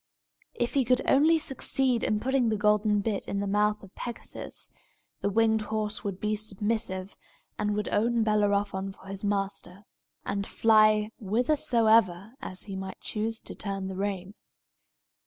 If he could only succeed in putting the golden bit into the mouth of Pegasus, the winged horse would be submissive, and would own Bellerophon for his master, and fly whithersoever he might choose to turn the rein.